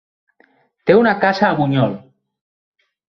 Té una casa a Bunyol.